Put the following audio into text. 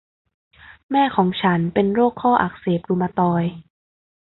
แม่ของฉันเป็นโรคข้ออักเสบรุมาตอยด์